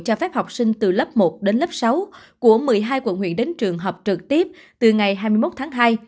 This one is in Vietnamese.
cho phép học sinh từ lớp một đến lớp sáu của một mươi hai quận huyện đến trường học trực tiếp từ ngày hai mươi một tháng hai